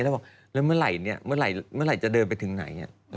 แล้วบอกแล้วเมื่อไหร่เนี่ยเมื่อไหร่จะเดินไปถึงไหน